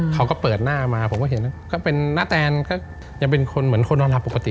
เขาก็เปิดหน้ามาผมก็เห็นน่าแตนยังเป็นคนว่านั่นปกติ